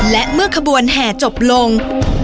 และเมื่อขบวนแห่จบลง